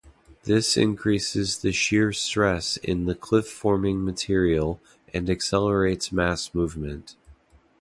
This increases the shear stress in the cliff-forming material and accelerates mass movement.